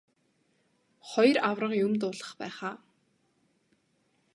Хоёр аварга юм дуулгах байх аа.